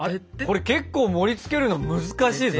これ結構盛りつけるの難しいぞ。